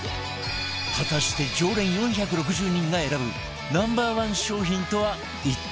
果たして常連４６０人が選ぶ Ｎｏ．１ 商品とは一体？